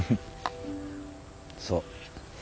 そう。